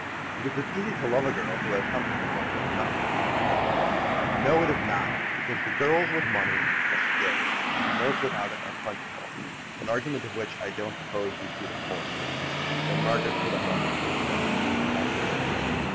"It is as easy to love a girl who has something as one who has nothing," said Margaret. "No, it is not; because the girls with money are scarce, and those without it are plentiful, an argument of which I don't suppose you see the force." Then Margaret for the moment was snubbed and retired.